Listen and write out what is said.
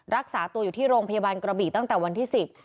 รักษาตัวอยู่ที่โรงพยาบาลกระบี่ตั้งแต่วันที่สิบ